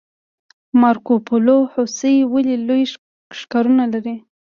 مارکوپولو هوسۍ ولې لوی ښکرونه لري؟